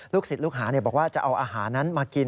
ศิษย์ลูกหาบอกว่าจะเอาอาหารนั้นมากิน